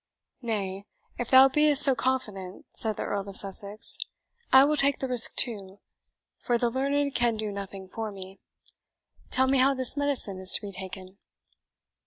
"Nay, if thou be'st so confident," said the Earl of Sussex, "I will take the risk too, for the learned can do nothing for me. Tell me how this medicine is to be taken."